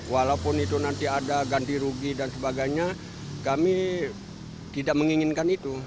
walaupun itu nanti ada ganti rugi dan sebagainya kami tidak menginginkan itu